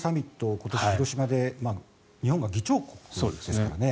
今年、広島で日本が議長国ですからね。